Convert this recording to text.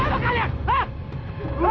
kalian tempatnya si botak ya